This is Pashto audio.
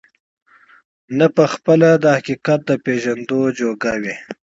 نه په خپله د حقيقت د پېژندو جوگه وي،